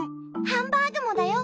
ハンバーグもだよ！